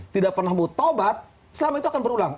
tidak pernah mau tobat selama itu akan berulang